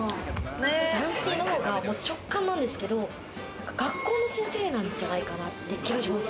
男性の方が直感なんですけれど、学校の先生なんじゃないかなという気がします。